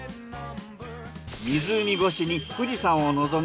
湖越しに富士山を望む